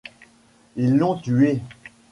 Ils l’ont tué